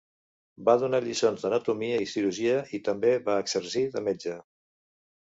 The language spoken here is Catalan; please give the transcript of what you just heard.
Va donar lliçons d'anatomia i cirurgia, i també va exercir de metge.